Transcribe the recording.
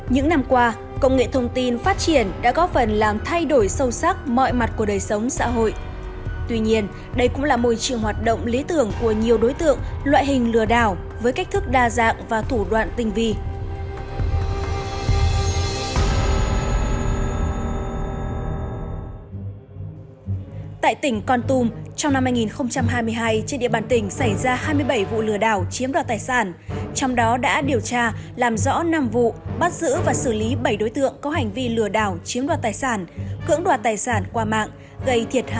những năm qua công nghệ thông tin phát triển đã có phần làm thay đổi sâu sắc mọi mặt của đời sống xã hội